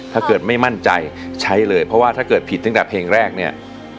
ถ้าเกิดไม่มั่นใจใช้เลยเพราะว่าถ้าเกิดผิดตั้งแต่เพลงแรกเนี่ย